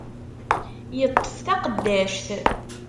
Yeṭṭef taqeddact.